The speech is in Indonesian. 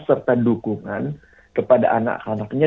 serta dukungan kepada anak anaknya